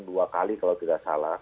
dua kali kalau tidak salah